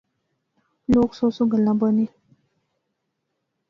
لوک سو سو گلاں بانے